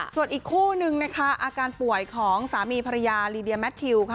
ส่วนอีกคู่นึงนะคะอาการป่วยของสามีภรรยาลีเดียแมททิวค่ะ